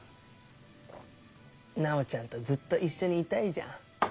楠宝ちゃんとずっと一緒にいたいじゃん。